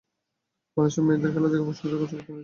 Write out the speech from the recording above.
বাংলাদেশের মেয়েদের খেলা দেখে প্রশংসা করছে ভুটানিজরা।